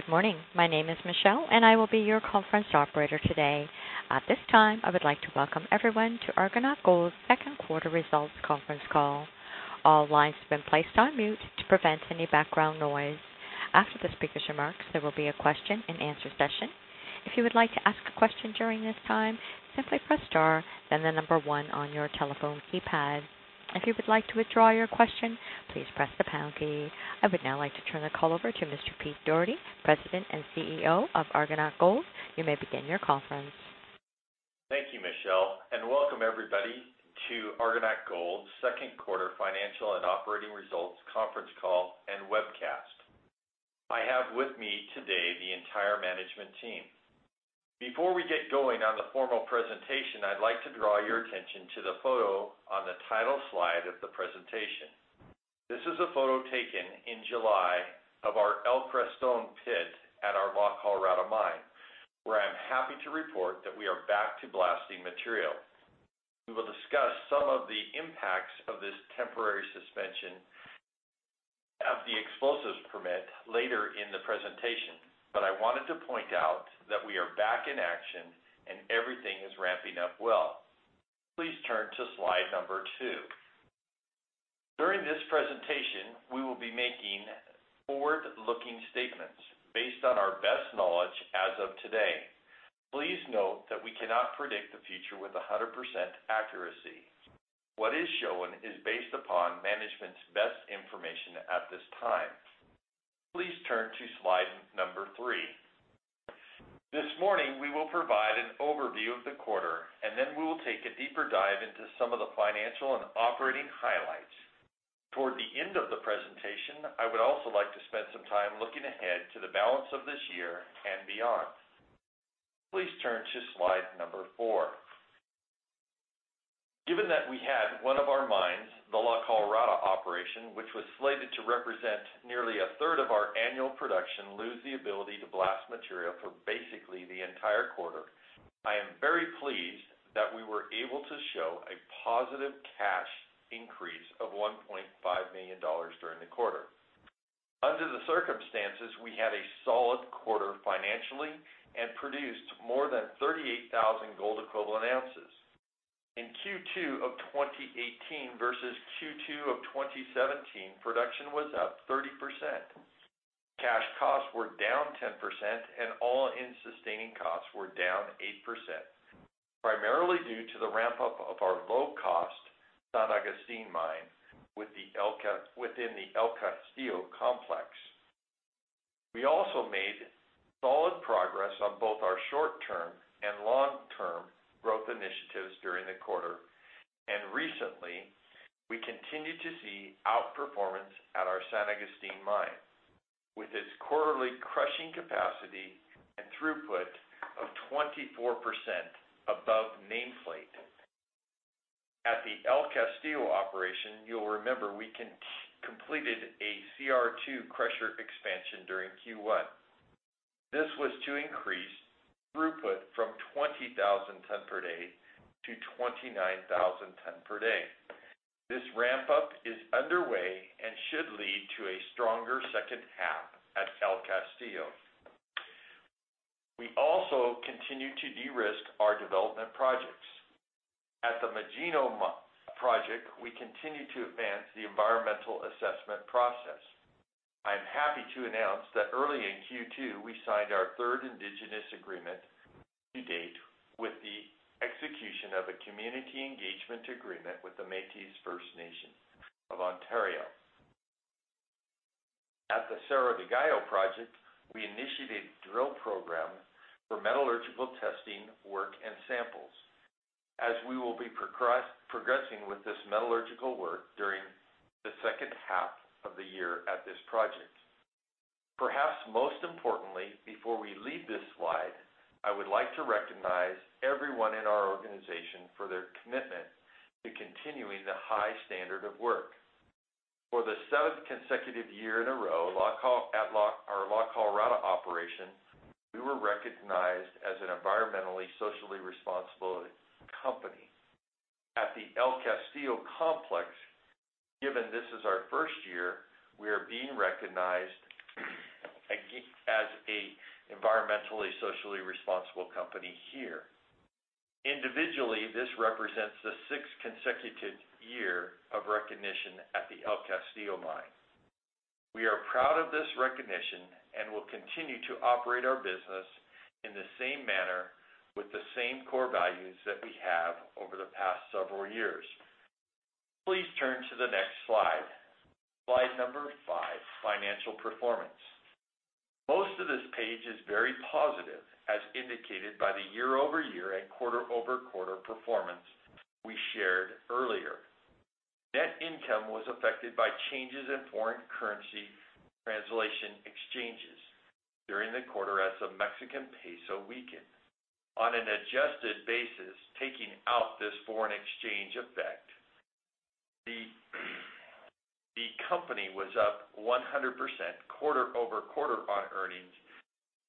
Good morning. My name is Michelle, and I will be your conference operator today. At this time, I would like to welcome everyone to Argonaut Gold's second quarter results conference call. All lines have been placed on mute to prevent any background noise. After the speaker's remarks, there will be a question and answer session. If you would like to ask a question during this time, simply press star, then the number 1 on your telephone keypad. If you would like to withdraw your question, please press the pound key. I would now like to turn the call over to Mr. Peter Dougherty, President and CEO of Argonaut Gold. You may begin your conference. Thank you, Michelle, welcome everybody to Argonaut Gold's second quarter financial and operating results conference call and webcast. I have with me today the entire management team. Before we get going on the formal presentation, I'd like to draw your attention to the photo on the title slide of the presentation. This is a photo taken in July of our El Crestón pit at our La Colorada mine, where I'm happy to report that we are back to blasting material. We will discuss some of the impacts of this temporary suspension of the explosives permit later in the presentation, I wanted to point out that we are back in action and everything is ramping up well. Please turn to slide number two. During this presentation, we will be making forward-looking statements based on our best knowledge as of today. Please note that we cannot predict the future with 100% accuracy. What is shown is based upon management's best information at this time. Please turn to slide number three. This morning, we will provide an overview of the quarter, then we will take a deeper dive into some of the financial and operating highlights. Toward the end of the presentation, I would also like to spend some time looking ahead to the balance of this year and beyond. Please turn to slide number four. Given that we had one of our mines, the La Colorada operation, which was slated to represent nearly a third of our annual production, lose the ability to blast material for basically the entire quarter. I am very pleased that we were able to show a positive cash increase of $1.5 million during the quarter. Under the circumstances, we had a solid quarter financially, produced more than 38,000 gold equivalent ounces. In Q2 of 2018 versus Q2 of 2017, production was up 30%. Cash costs were down 10% and all-in sustaining costs were down 8%, primarily due to the ramp-up of our low-cost San Agustín mine within the El Castillo complex. We also made solid progress on both our short-term and long-term growth initiatives during the quarter, recently, we continued to see outperformance at our San Agustín mine, with its quarterly crushing capacity and throughput of 24% above nameplate. At the El Castillo operation, you'll remember we completed a CR2 crusher expansion during Q1. This was to increase throughput from 20,000 ton per day to 29,000 ton per day. This ramp-up is underway, should lead to a stronger second half at El Castillo. We also continue to de-risk our development projects. At the Magino project, we continue to advance the environmental assessment process. I am happy to announce that early in Q2, we signed our third Indigenous agreement to date with the execution of a community engagement agreement with the Métis Nation of Ontario. At the Cerro del Gallo project, we initiated drill program for metallurgical testing work and samples, as we will be progressing with this metallurgical work during the second half of the year at this project. Perhaps most importantly, before we leave this slide, I would like to recognize everyone in our organization for their commitment to continuing the high standard of work. For the seventh consecutive year in a row, our La Colorada operation, we were recognized as an environmentally socially responsible company. At the El Castillo complex, given this is our first year, we are being recognized as an environmentally socially responsible company here. Individually, this represents the sixth consecutive year of recognition at the El Castillo mine. We are proud of this recognition and will continue to operate our business in the same manner with the same core values that we have over the past several years. Please turn to the next slide. Slide number five, financial performance. Most of this page is very positive, as indicated by the year-over-year and quarter-over-quarter performance we shared earlier. Net income was affected by changes in foreign currency translation exchanges during the quarter as the Mexican peso weakened. On an adjusted basis, taking out this foreign exchange effect, the company was up 100% quarter-over-quarter on earnings,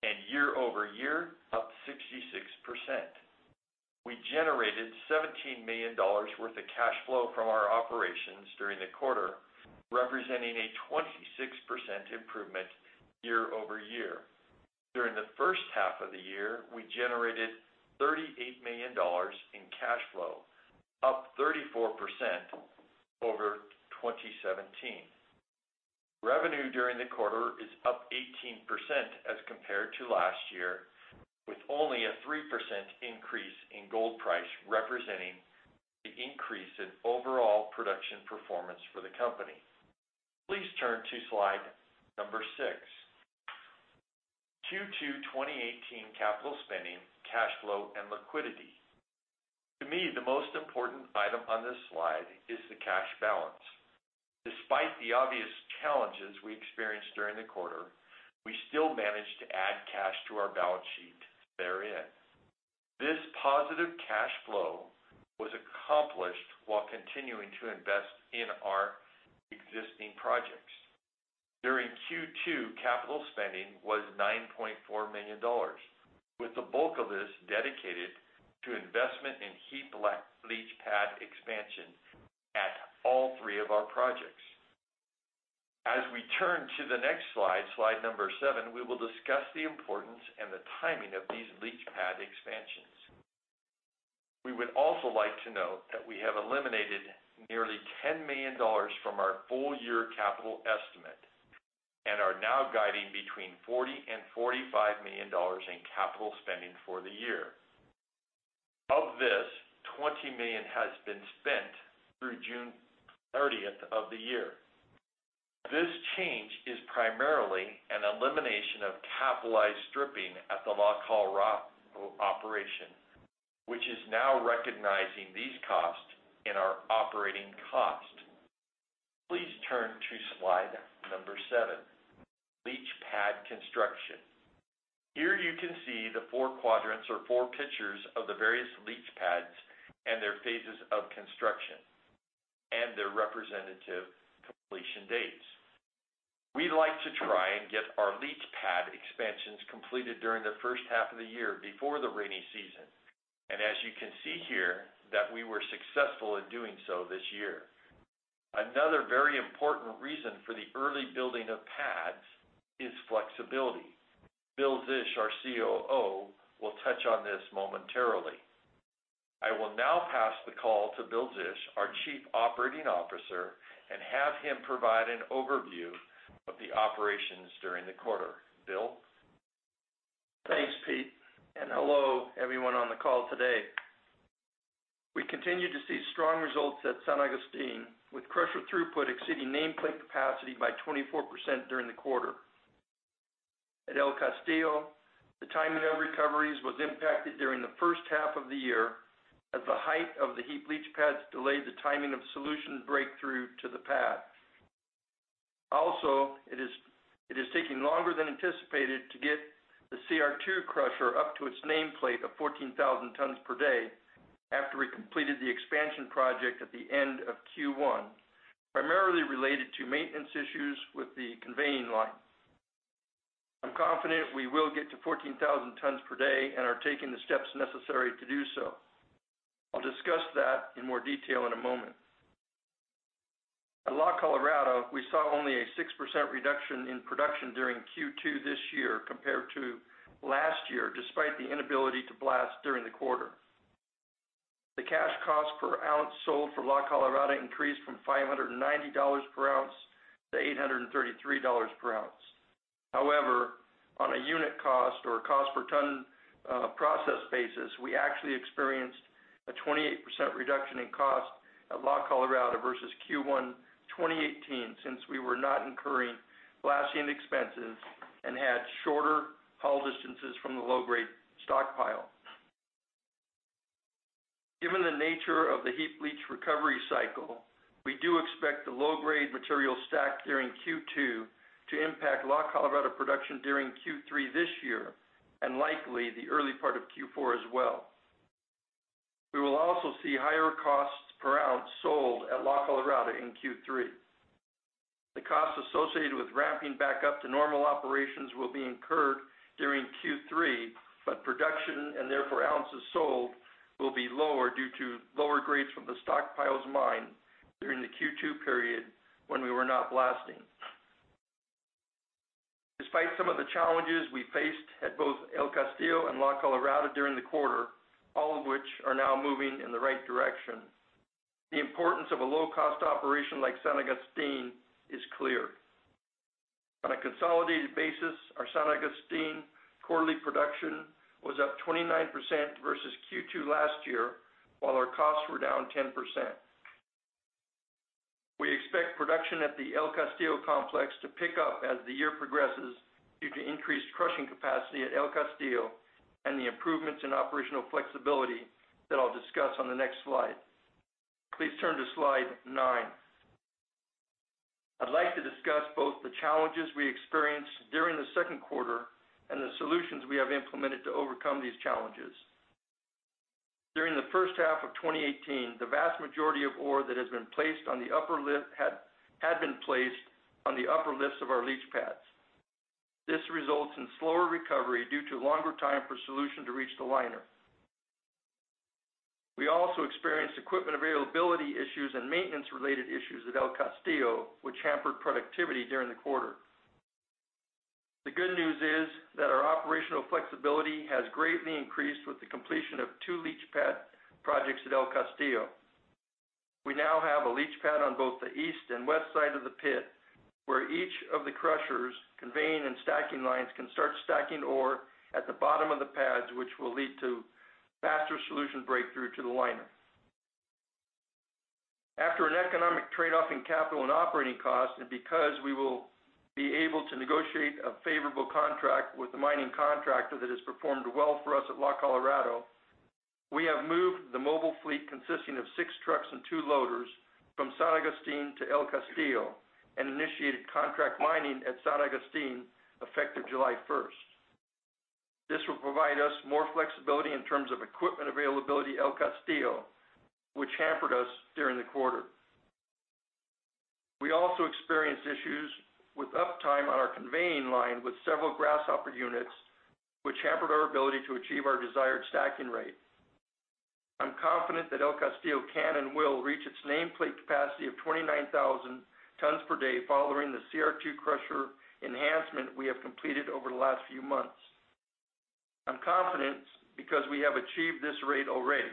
and year-over-year, up 66%. We generated $17 million worth of cash flow from our operations during the quarter, representing a 26% improvement year-over-year. During the first half of the year, we generated $38 million in cash flow, up 34% over 2017. Revenue during the quarter is up 18% as compared to last year, with only a 3% increase in gold price representing the increase in overall production performance for the company. Please turn to slide number six. Q2 2018 capital spending, cash flow and liquidity. To me, the most important item on this slide is the cash balance. Despite the obvious challenges we experienced during the quarter, we still managed to add cash to our balance sheet therein. This positive cash flow was accomplished while continuing to invest in our existing projects. During Q2, capital spending was $9.4 million. With the bulk of this dedicated to investment in heap leach pad expansion at all three of our projects. As we turn to the next slide number seven, we will discuss the importance and the timing of these leach pad expansions. We would also like to note that we have eliminated nearly $10 million from our full year capital estimate and are now guiding between $40 million and $45 million in capital spending for the year. Of this, $20 million has been spent through June 30th of the year. This change is primarily an elimination of capitalized stripping at the La Colorada operation, which is now recognizing these costs in our operating cost. Please turn to slide number seven, leach pad construction. Here you can see the four quadrants or four pictures of the various leach pads and their phases of construction, and their representative completion dates. We like to try and get our leach pad expansions completed during the first half of the year before the rainy season. As you can see here, that we were successful in doing so this year. Another very important reason for the early building of pads is flexibility. Bill Zisch, our COO, will touch on this momentarily. I will now pass the call to Bill Zisch, our Chief Operating Officer, and have him provide an overview of the operations during the quarter. Bill? Thanks, Pete, and hello everyone on the call today. We continue to see strong results at San Agustín, with crusher throughput exceeding nameplate capacity by 24% during the quarter. At El Castillo, the timing of recoveries was impacted during the first half of the year as the height of the heap leach pads delayed the timing of solution breakthrough to the pad. Also, it is taking longer than anticipated to get the CR2 crusher up to its nameplate of 14,000 tons per day after we completed the expansion project at the end of Q1, primarily related to maintenance issues with the conveying line. I'm confident we will get to 14,000 tons per day and are taking the steps necessary to do so. I'll discuss that in more detail in a moment. At La Colorada, we saw only a 6% reduction in production during Q2 this year compared to last year, despite the inability to blast during the quarter. The cash cost per ounce sold for La Colorada increased from $590 per ounce to $833 per ounce. However, on a unit cost or cost per ton processed basis, we actually experienced a 28% reduction in cost at La Colorada versus Q1 2018, since we were not incurring blasting expenses and had shorter haul distances from the low-grade stockpile. Given the nature of the heap leach recovery cycle, we do expect the low-grade material stacked during Q2 to impact La Colorada production during Q3 this year and likely the early part of Q4 as well. We will also see higher costs per ounce sold at La Colorada in Q3. The cost associated with ramping back up to normal operations will be incurred during Q3, but production, and therefore ounces sold, will be lower due to lower grades from the stockpiles mined during the Q2 period when we were not blasting. Despite some of the challenges we faced at both El Castillo and La Colorada during the quarter, all of which are now moving in the right direction, the importance of a low-cost operation like San Agustín is clear. On a consolidated basis, our San Agustín quarterly production was up 29% versus Q2 last year, while our costs were down 10%. We expect production at the El Castillo complex to pick up as the year progresses due to increased crushing capacity at El Castillo and the improvements in operational flexibility that I'll discuss on the next slide. Please turn to slide nine. I'd like to discuss both the challenges we experienced during the second quarter and the solutions we have implemented to overcome these challenges. During the first half of 2018, the vast majority of ore that has been placed on the upper lifts of our leach pads. This results in slower recovery due to longer time for solution to reach the liner. We also experienced equipment availability issues and maintenance-related issues at El Castillo, which hampered productivity during the quarter. The good news is that our operational flexibility has greatly increased with the completion of two leach pad projects at El Castillo. We now have a leach pad on both the east and west side of the pit, where each of the crushers' conveying and stacking lines can start stacking ore at the bottom of the pads, which will lead to faster solution breakthrough to the liner. After an economic trade-off in capital and operating costs, because we will be able to negotiate a favorable contract with the mining contractor that has performed well for us at La Colorada, we have moved the mobile fleet, consisting of six trucks and two loaders, from San Agustín to El Castillo and initiated contract mining at San Agustín, effective July 1st. This will provide us more flexibility in terms of equipment availability at El Castillo, which hampered us during the quarter. We also experienced issues with uptime on our conveying line with several grasshopper units, which hampered our ability to achieve our desired stacking rate. I'm confident that El Castillo can and will reach its nameplate capacity of 29,000 tons per day following the CR2 crusher enhancement we have completed over the last few months. I'm confident because we have achieved this rate already.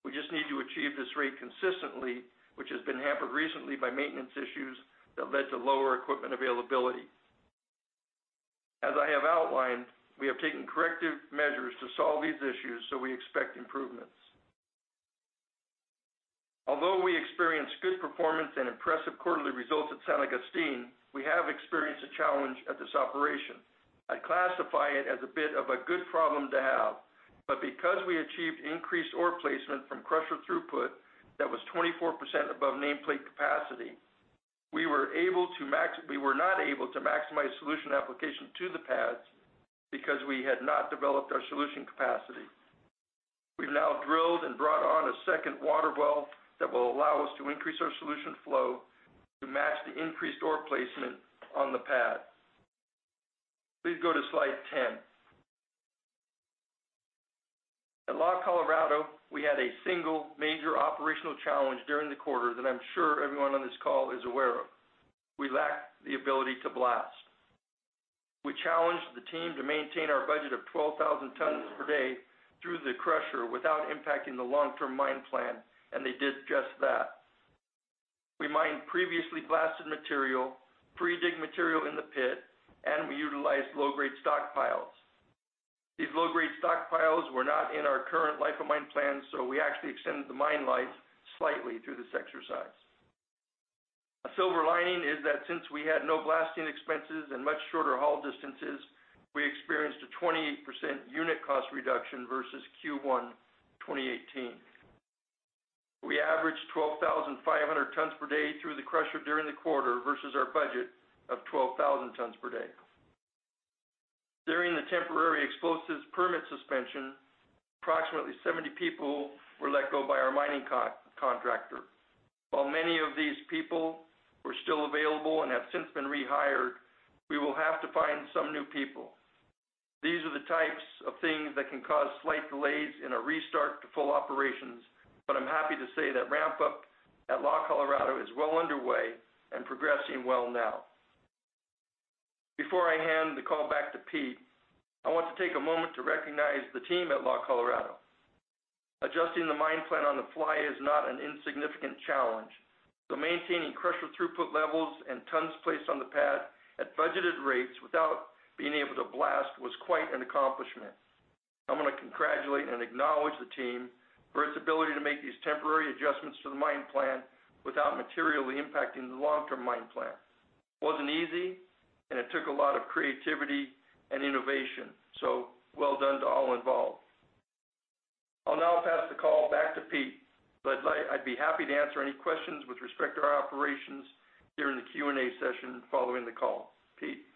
We just need to achieve this rate consistently, which has been hampered recently by maintenance issues that led to lower equipment availability. As I have outlined, we have taken corrective measures to solve these issues, we expect improvements. Although we experienced good performance and impressive quarterly results at San Agustín, we have experienced a challenge at this operation. I classify it as a bit of a good problem to have. Because we achieved increased ore placement from crusher throughput that was 24% above nameplate capacity, we were not able to maximize solution application to the pads because we had not developed our solution capacity. We've now drilled and brought on a second water well that will allow us to increase our solution flow to match the increased ore placement on the pad. Please go to slide 10. At La Colorada, we had a single major operational challenge during the quarter that I'm sure everyone on this call is aware of. We lacked the ability to blast. We challenged the team to maintain our budget of 12,000 tons per day through the crusher without impacting the long-term mine plan, they did just that. We mined previously blasted material, pre-dig material in the pit, and we utilized low-grade stockpiles. These low-grade stockpiles were not in our current life of mine plan, so we actually extended the mine life slightly through this exercise. A silver lining is that since we had no blasting expenses and much shorter haul distances, we experienced a 28% unit cost reduction versus Q1 2018. We averaged 12,500 tons per day through the crusher during the quarter versus our budget of 12,000 tons per day. During the temporary explosives permit suspension, approximately 70 people were let go by our mining contractor. While many of these people were still available and have since been rehired, we will have to find some new people. These are the types of things that can cause slight delays in a restart to full operations. I'm happy to say that ramp-up at La Colorada is well underway and progressing well now. Before I hand the call back to Pete, I want to take a moment to recognize the team at La Colorada. Adjusting the mine plan on the fly is not an insignificant challenge, so maintaining crusher throughput levels and tons placed on the pad at budgeted rates without being able to blast was quite an accomplishment. I want to congratulate and acknowledge the team for its ability to make these temporary adjustments to the mine plan without materially impacting the long-term mine plan. It wasn't easy, and it took a lot of creativity and innovation, so well done to all involved. I'll now pass the call back to Pete. I'd be happy to answer any questions with respect to our operations during the Q&A session following the call. Pete?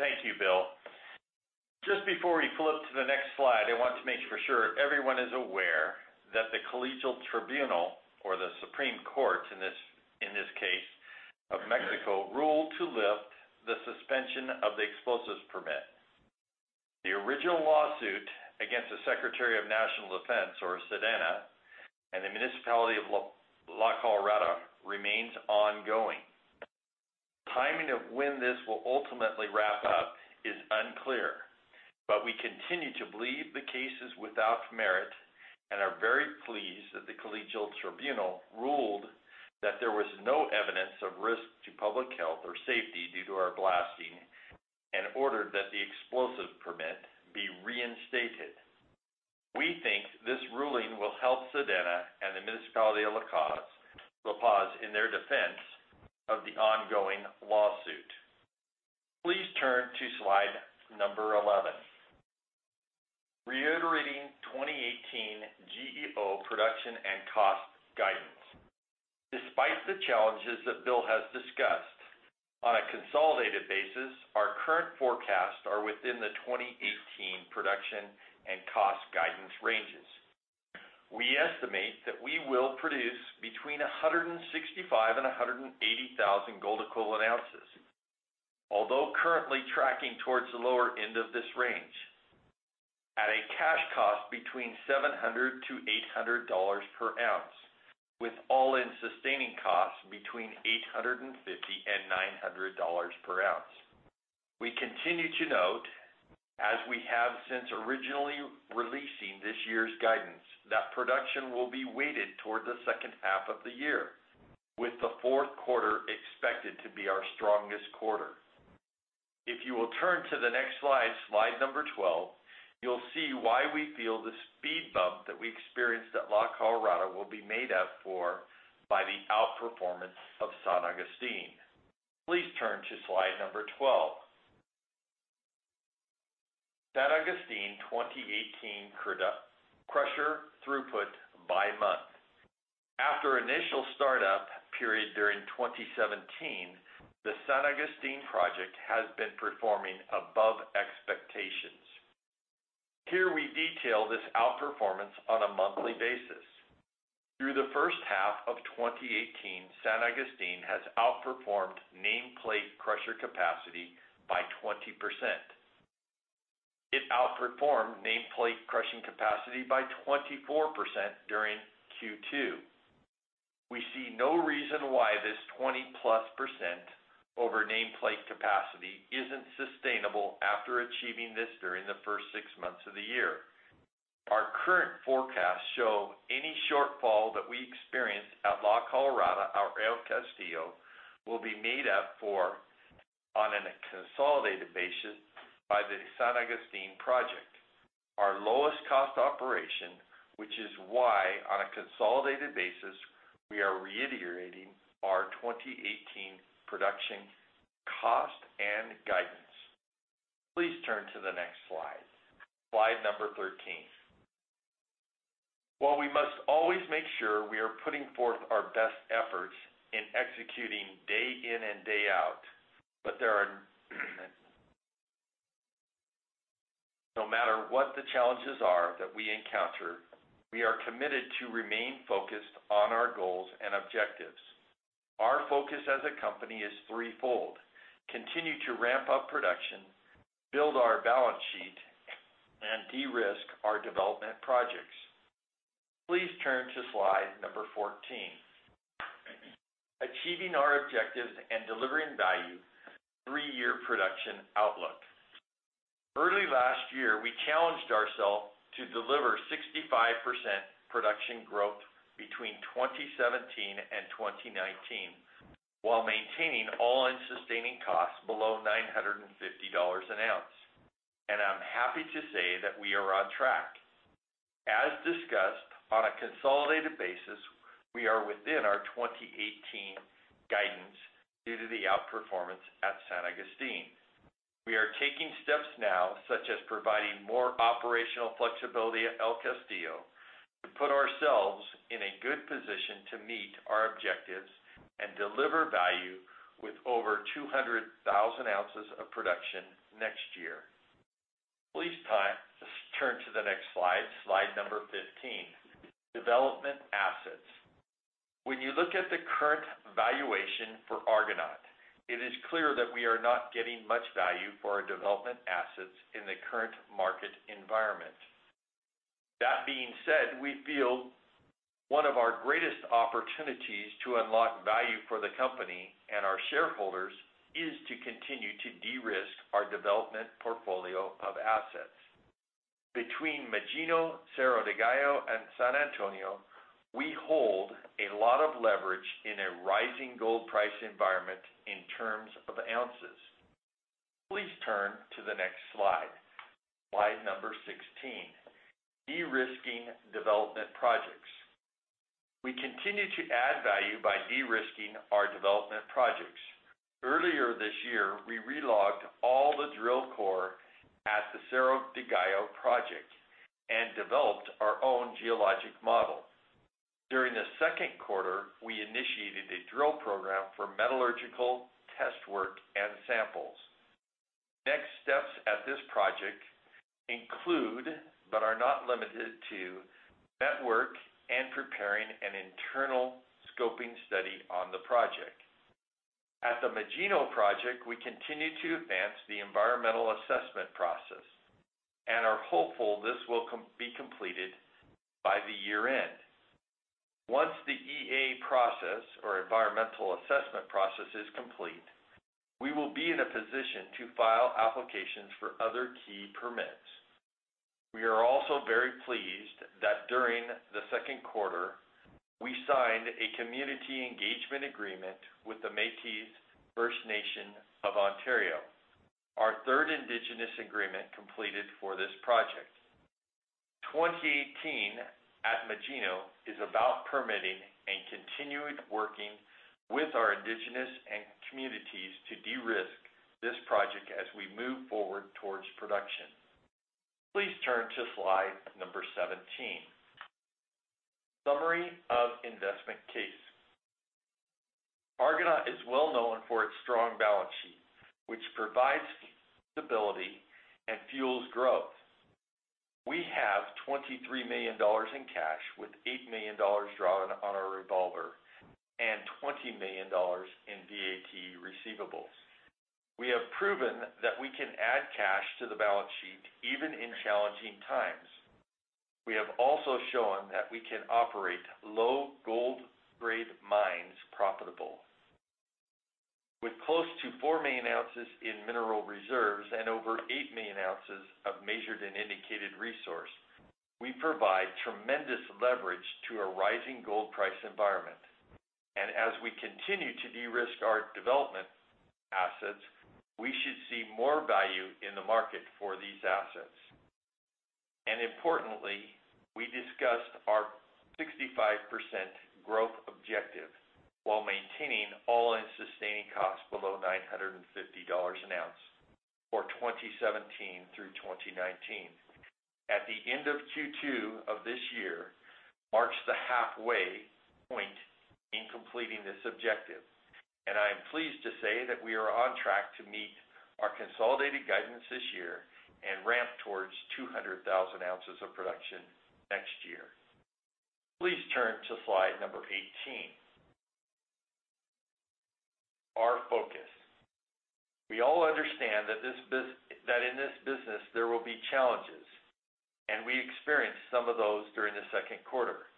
Thank you, Bill. Just before we flip to the next slide, I want to make sure everyone is aware that the Collegial Tribunal, or the Supreme Court in this case, of Mexico ruled to lift the suspension of the explosives permit. The original lawsuit against the Secretary of National Defense, or SEDENA, and the Municipality of La Colorada remains ongoing. Timing of when this will ultimately wrap up is unclear. We continue to believe the case is without merit and are very pleased that the Collegial Tribunal ruled that there was no evidence of risk to public health or safety due to our blasting and ordered that the explosive permit be reinstated. We think this ruling will help SEDENA and the Municipality of La Paz in their defense of the ongoing lawsuit. Please turn to slide number 11. Reiterating 2018 GEO production and cost guidance. Despite the challenges that Bill has discussed, on a consolidated basis, our current forecasts are within the 2018 production and cost guidance ranges. We estimate that we will produce between 165,000 and 180,000 gold equivalent ounces, although currently tracking towards the lower end of this range, at a cash cost between $700-$800 per ounce, with all-in sustaining costs between $850-$900 per ounce. We continue to note, as we have since originally releasing this year's guidance, that production will be weighted towards the second half of the year, with the fourth quarter expected to be our strongest quarter. If you will turn to the next slide number 12, you'll see why we feel the speed bump that we experienced at La Colorada will be made up for by the outperformance of San Agustín. Please turn to slide number 12. San Agustín 2018 crusher throughput by month. After initial startup period during 2017, the San Agustín project has been performing above expectations. Here we detail this outperformance on a monthly basis. Through the first half of 2018, San Agustín has outperformed nameplate crusher capacity by 20%. It outperformed nameplate crushing capacity by 24% during Q2. We see no reason why this 20-plus% over nameplate capacity isn't sustainable after achieving this during the first six months of the year. Our current forecasts show any shortfall that we experience at La Colorada or El Castillo will be made up for on a consolidated basis by the San Agustín project, our lowest cost operation, which is why, on a consolidated basis, we are reiterating our 2018 production cost and guidance. Please turn to the next slide number 13. While we must always make sure we are putting forth our best efforts in executing day in and day out. No matter what the challenges are that we encounter, we are committed to remain focused on our goals and objectives. Our focus as a company is threefold. Continue to ramp up production, build our balance sheet, and de-risk our development projects. Please turn to slide number 14. Achieving our objectives and delivering value, three-year production outlook. Early last year, we challenged ourselves to deliver 65% production growth between 2017 and 2019, while maintaining all-in sustaining costs below $950 an ounce. I'm happy to say that we are on track. As discussed, on a consolidated basis, we are within our 2018 guidance due to the outperformance at San Agustín. We are taking steps now, such as providing more operational flexibility at El Castillo, to put ourselves in a good position to meet our objectives and deliver value with over 200,000 ounces of production next year. Please turn to the next slide number 15. Development assets. When you look at the current valuation for Argonaut, it is clear that we are not getting much value for our development assets in the current market environment. That being said, we feel one of our greatest opportunities to unlock value for the company and our shareholders is to continue to de-risk our development portfolio of assets. Between Magino, Cerro del Gallo, and San Antonio, we hold a lot of leverage in a rising gold price environment in terms of ounces. Please turn to the next slide number 16. De-risking development projects. Earlier this year, we re-logged all the drill core at the Cerro del Gallo project and developed our own geologic model. During the second quarter, we initiated a drill program for metallurgical test work and samples. Next steps at this project include, but are not limited to, network and preparing an internal scoping study on the project. At the Magino project, we continue to advance the environmental assessment process and are hopeful this will be completed by the year-end. Once the EA process, or environmental assessment process, is complete, we will be in a position to file applications for other key permits. We are also very pleased that during the second quarter, we signed a community engagement agreement with the Métis Nation of Ontario, our third Indigenous agreement completed for this project. 2018 at Magino is about permitting and continuing working with our Indigenous and communities to de-risk this project as we move forward towards production. Please turn to slide number 17. Summary of investment case. Argonaut is well known for its strong balance sheet, which provides stability and fuels growth. We have $23 million in cash, with $8 million drawn on our revolver and $20 million in VAT receivables. We have proven that we can add cash to the balance sheet even in challenging times. We have also shown that we can operate low gold grade mines profitably. With close to four million ounces in mineral reserves and over eight million ounces of measured and indicated resource, we provide tremendous leverage to a rising gold price environment. As we continue to de-risk our development assets, we should see more value in the market for these assets. Importantly, we discussed our 65% growth objective while maintaining all-in sustaining costs below $950 an ounce for 2017 through 2019. At the end of Q2 of this year marks the halfway point in completing this objective, and I am pleased to say that we are on track to meet our consolidated guidance this year and ramp towards 200,000 ounces of production next year. Please turn to slide number 18. Our focus. We all understand that in this business, there will be challenges, and we experienced some of those during the second quarter.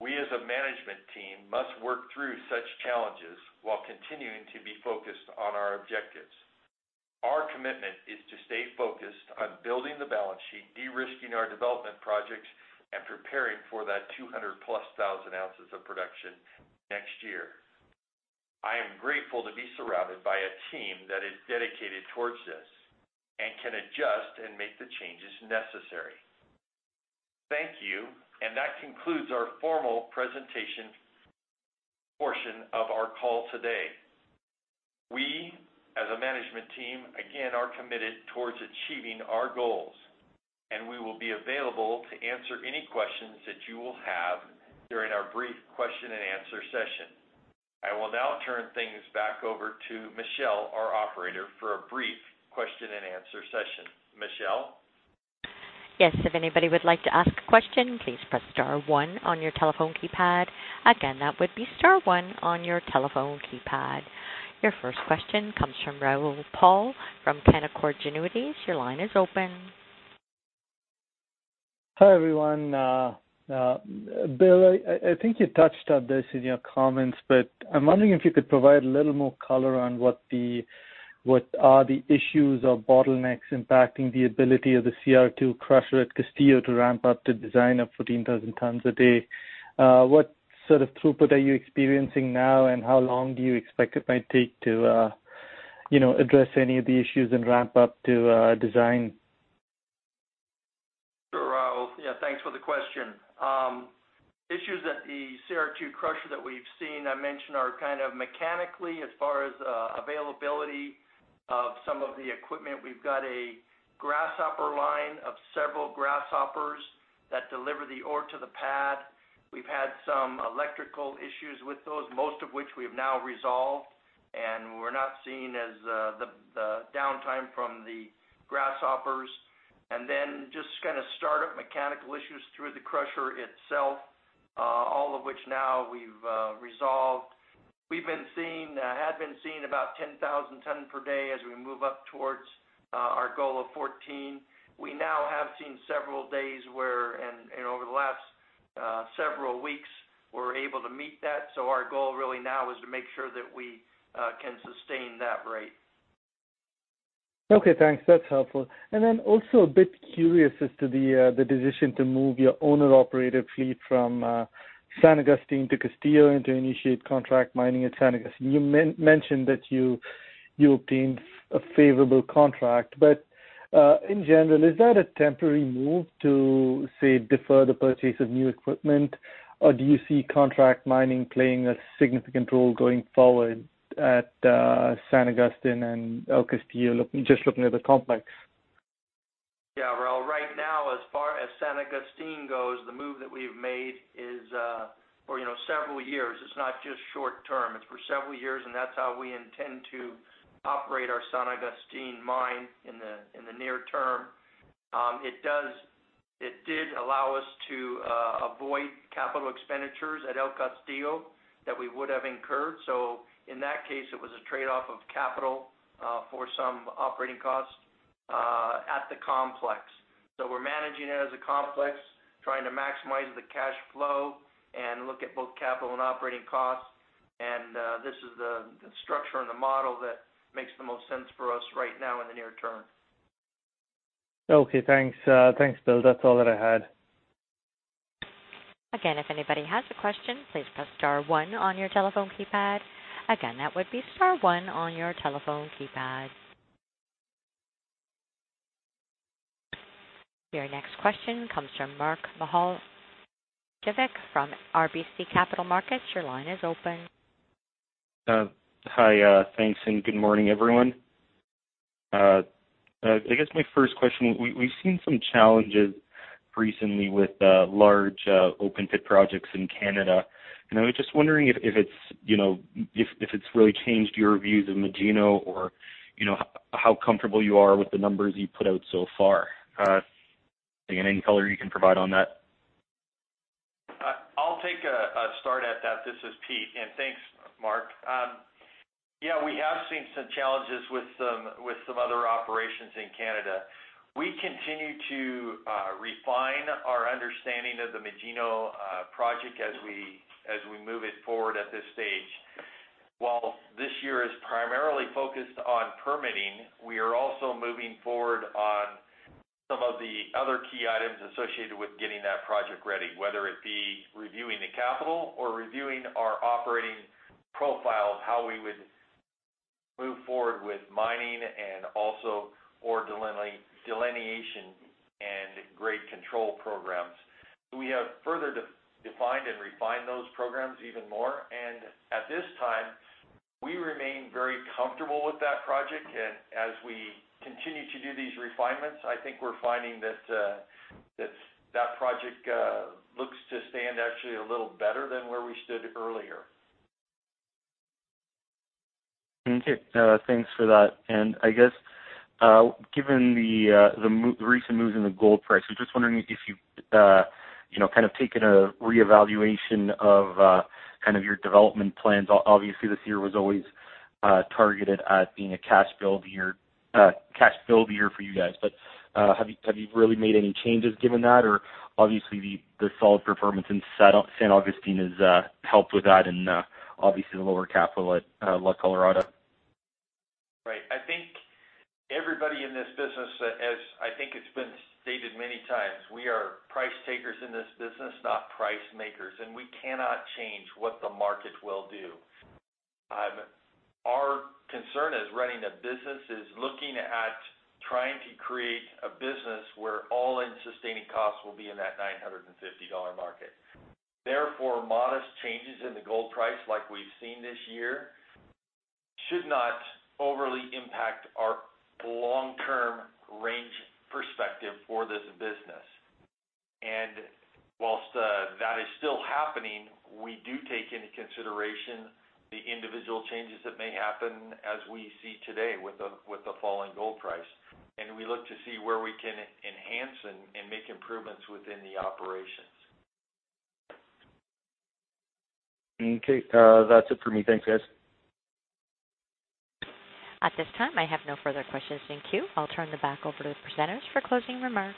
We, as a management team, must work through such challenges while continuing to be focused on our objectives. Our commitment is to stay focused on building the balance sheet, de-risking our development projects, and preparing for that 200-plus thousand ounces of production next year. I am grateful to be surrounded by a team that is dedicated towards this and can adjust and make the changes necessary. Thank you, and that concludes our formal presentation portion of our call today. We, as a management team, again, are committed towards achieving our goals, and we will be available to answer any questions that you will have during our brief question and answer session. I will now turn things back over to Michelle, our operator, for a brief question and answer session. Michelle? Yes. If anybody would like to ask a question, please press star one on your telephone keypad. Again, that would be star one on your telephone keypad. Your first question comes from Rahul Paul from Canaccord Genuity. Your line is open. Hi, everyone. Bill, I think you touched on this in your comments, but I'm wondering if you could provide a little more color on what are the issues or bottlenecks impacting the ability of the CR2 crusher at Castillo to ramp up to design of 14,000 tons a day. What sort of throughput are you experiencing now, and how long do you expect it might take to address any of the issues and ramp up to design? Sure, Rahul. Yeah, thanks for the question. Issues at the CR2 crusher that we've seen, I mentioned, are kind of mechanically as far as availability of some of the equipment. We've got a grasshopper line of several grasshoppers that deliver the ore to the pad. We've had some electrical issues with those, most of which we have now resolved, and we're not seeing as the downtime from the grasshoppers. Just kind of startup mechanical issues through the crusher itself, all of which now we've resolved. We had been seeing about 10,000 tons per day as we move up towards our goal of 14. We now have seen several days where, and over the last several weeks, we're able to meet that. Our goal really now is to make sure that we can sustain that rate. Okay, thanks. That's helpful. Also a bit curious as to the decision to move your owner operated fleet from San Agustín to Castillo and to initiate contract mining at San Agustín. You mentioned that you obtained a favorable contract, in general, is that a temporary move to, say, defer the purchase of new equipment, or do you see contract mining playing a significant role going forward at San Agustín and El Castillo, just looking at the complex? Yeah, Rahul. Right now, as far as San Agustín goes, the move that we've made is for several years. It's not just short term. It's for several years, and that's how we intend to operate our San Agustín mine in the near term. It did allow us to avoid capital expenditures at El Castillo that we would have incurred. In that case, it was a trade-off of capital for some operating costs at the complex. We're managing it as a complex, trying to maximize the cash flow and look at both capital and operating costs, and this is the structure and the model that makes the most sense for us right now in the near term. Okay, thanks. Thanks, Bill. That's all that I had. Again, if anybody has a question, please press star one on your telephone keypad. Again, that would be star one on your telephone keypad. Your next question comes from Mark Mihaljevic from RBC Capital Markets. Your line is open. Hi, thanks, and good morning, everyone. I guess my first question, we've seen some challenges recently with large open pit projects in Canada. I was just wondering if it's really changed your views of Magino or, how comfortable you are with the numbers you've put out so far. Again, any color you can provide on that? I'll take a start at that. This is Peter, thanks, Mark. We have seen some challenges with some other operations in Canada. We continue to refine our understanding of the Magino project as we move it forward at this stage. While this year is primarily focused on permitting, we are also moving forward on some of the other key items associated with getting that project ready, whether it be reviewing the capital or reviewing our operating profile of how we would move forward with mining and also ore delineation and grade control programs. We have further defined and refined those programs even more, at this time, we remain very comfortable with that project. As we continue to do these refinements, I think we're finding that project looks to stand actually a little better than where we stood earlier. Okay. Thanks for that. I guess, given the recent moves in the gold price, I was just wondering if you've taken a reevaluation of your development plans. Obviously, this year was always targeted at being a cash build year for you guys. Have you really made any changes given that? Obviously the solid performance in San Agustín has helped with that and obviously the lower capital at La Colorada. Right. I think everybody in this business, as I think it's been stated many times, we are price takers in this business, not price makers, we cannot change what the market will do. Our concern is running a business is looking at trying to create a business where all-in sustaining costs will be in that $950 market. Therefore, modest changes in the gold price like we've seen this year should not overly impact our long-term range perspective for this business. Whilst that is still happening, we do take into consideration the individual changes that may happen as we see today with the fall in gold price. We look to see where we can enhance and make improvements within the operations. Okay. That's it for me. Thanks, guys. At this time, I have no further questions. Thank you. I'll turn it back over to the presenters for closing remarks.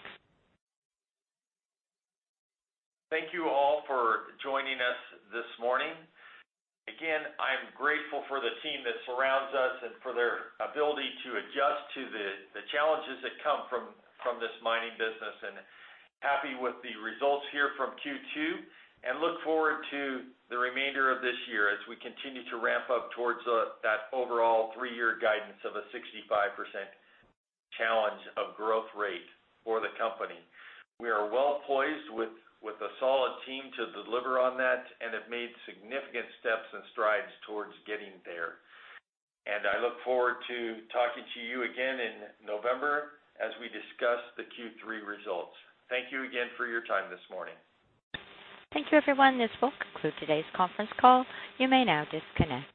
Thank you all for joining us this morning. Again, I'm grateful for the team that surrounds us and for their ability to adjust to the challenges that come from this mining business and happy with the results here from Q2, and look forward to the remainder of this year as we continue to ramp up towards that overall three-year guidance of a 65% challenge of growth rate for the company. We are well poised with a solid team to deliver on that and have made significant steps and strides towards getting there. I look forward to talking to you again in November as we discuss the Q3 results. Thank you again for your time this morning. Thank you, everyone. This will conclude today's conference call. You may now disconnect.